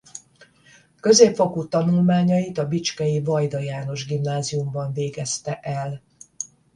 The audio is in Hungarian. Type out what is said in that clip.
Középfokú tanulmányait a bicskei Vajda János Gimnáziumban végezte el.